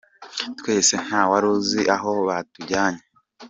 Twese nta wari uzi aho batujyanye.”